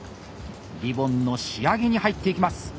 リボンの仕上げに入っていきます！